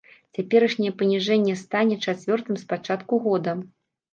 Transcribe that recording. Цяперашняе паніжэнне стане чацвёртым з пачатку года.